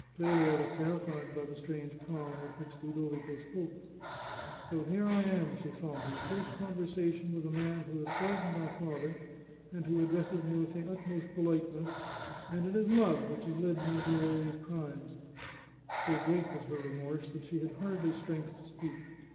Clelia was terrified by the strange calm with which Ludo vico spoke. " So here I am," she thought, " in close conversation with a man who has poisoned my father, and who addresses me with the utmost politeness ; and it is love which has led me into all these crimes !" So great was her remorse that she had hardly strength to speak.